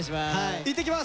いってきます！